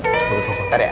bisa buku trafoter ya